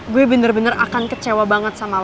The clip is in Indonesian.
gue bener bener akan kecewa banget sama lo